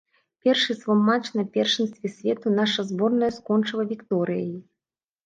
Першы свой матч на першынстве свету наша зборная скончыла вікторыяй.